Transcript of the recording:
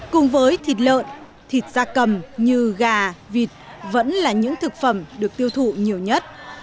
cùng với thịt lợn thịt da cầm như gà vịt vẫn là những thực phẩm được tiêu thụ nhiều nhất